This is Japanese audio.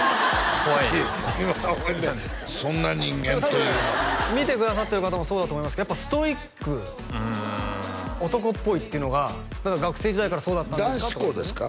今の面白い「そんな人間というのは」でも多分見てくださってる方もそうだと思いますけどやっぱストイックうん男っぽいっていうのが学生時代からそうだった男子校ですか？